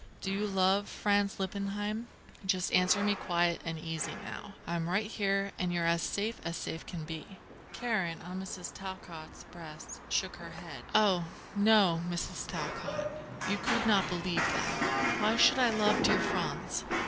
Do you love Franz Lippheim? Just answer me quiet and easy now. I'm right here, and you're as safe as safe can be." Karen, on Mrs. Talcott's breast, shook her head. "Oh, no, Mrs. Talcott; you could not believe that. Why should I love dear Franz?"